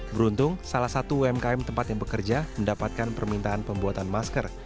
beruntung salah satu umkm tempat yang bekerja mendapatkan permintaan pembuatan masker